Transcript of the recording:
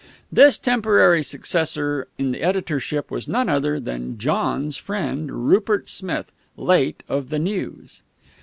This temporary successor in the editorship was none other than John's friend, Rupert Smith, late of the News.